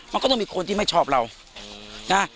มันก็ต้องมีคนที่ไม่ชอบเรานะ